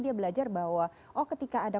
dia belajar bahwa oh ketika ada